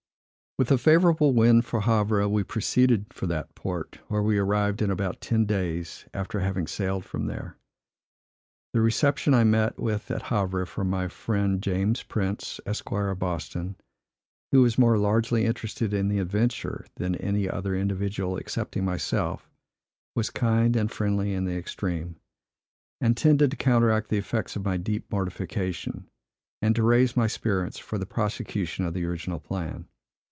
With a favorable wind for Havre, we proceeded for that port, where we arrived in about ten days after having sailed from there. The reception I met with at Havre, from my friend James Prince, Esq., of Boston, who was more largely interested in the adventure than any other individual excepting myself, was kind and friendly in the extreme, and tended to counteract the effects of my deep mortification, and to raise my spirits for the prosecution of the original plan.